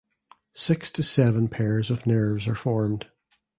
Six to seven pairs of nerves are formed.